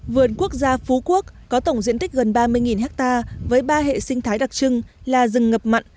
vườn quốc gia phú quốc có tổng diện tích gần ba mươi ha với ba hệ sinh thái đặc trưng là rừng ngập mặn